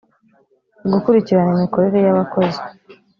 gukurikirana imikorere y abakozi